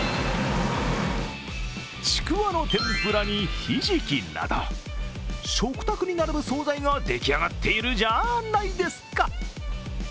ちくわの天ぷらに、ひじきなど食卓に並ぶ総菜が出来上がっているじゃないですか。